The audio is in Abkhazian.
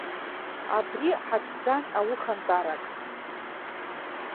Абри ҳаҿӡан аухантәарак.